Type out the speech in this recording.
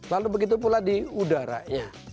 lalu begitu pula di udaranya